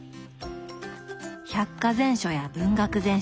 百科全書や文学全集。